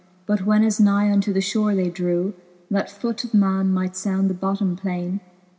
But when as nigh unto the fhore they drew, That foot of man might found the bottome plaine.